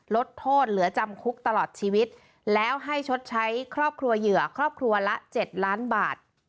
ลดโทษเหลือจำคุกตลอดชีวิตแล้วให้ชดใช้ครอบครัวเหยื่อครอบครัวละ๗ล้านบาท